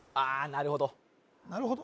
なるほど？